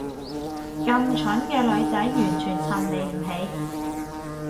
咁蠢嘅女仔完全襯你唔起